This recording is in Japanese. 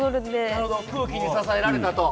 なるほど空気に支えられたと。